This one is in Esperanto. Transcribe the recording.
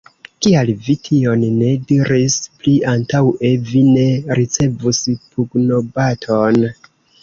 Kial vi tion ne diris pli antaŭe, vi ne ricevus pugnobaton!